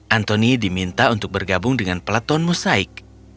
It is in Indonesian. antoni diminta untuk bergabung dengan peleton musaik